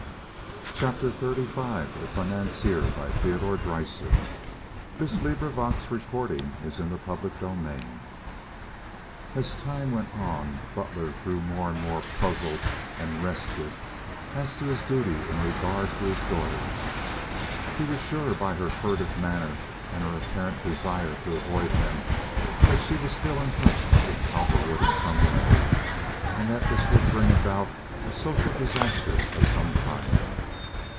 y hot tears, and went to the window to look out and to think of what else to do from now on. Chapter XXXV As time went on Butler grew more and more puzzled and restive as to his duty in regard to his daughter. He was sure by her furtive manner and her apparent desire to avoid him, that she was still in touch with Cowperwood in some way, and that this would bring about a social disaster of some kind.